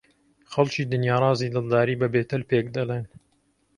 خەڵکی دنیا ڕازی دڵداری بە بێتەل پێک دەڵێن